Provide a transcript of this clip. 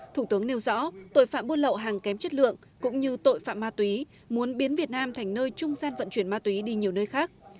thủ tướng nêu rõ tội phạm buôn lậu hàng kém chất lượng cũng như tội phạm ma túy muốn biến việt nam thành nơi trung gian vận chuyển ma túy đi nhiều nơi khác